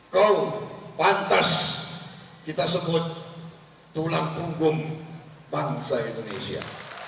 kau pantas kita sebut tulang punggung bangsa indonesia